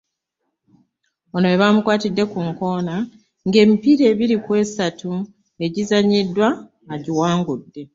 Ono we bamukwatidde ku nkoona ng'emipiira ebiri ku esatu egizannyiddwa agiwangudde.